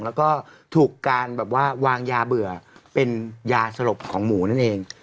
แล้วก็ถูกการแบบว่าวางยาเบื่อเป็นยาสลบของหมูนั่นเอง